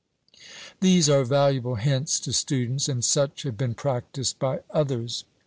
These are valuable hints to students, and such have been practised by others.